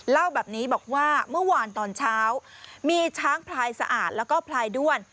เล่าแบบนี้บอกว่าเมื่อวานตอนเช้ามีช้างพลายสะอาดแล้วก็พลายด้วน